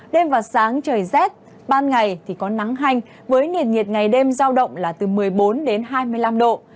đêm và sáng trời rét ban ngày thì có nắng hanh với nền nhiệt ngày đêm giao động là từ một mươi bốn đến hai mươi năm độ